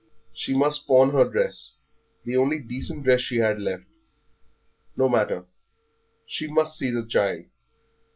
She must pawn her dress the only decent dress she had left. No matter, she must see the child.